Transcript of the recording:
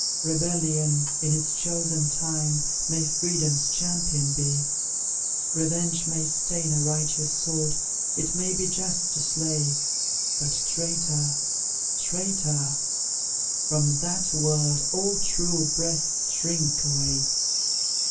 Rebellion, in its chosen time, May Freedom's champion be; Revenge may stain a righteous sword, It may be just to slay; But, traitor, traitor, from THAT word All true breasts shrink away!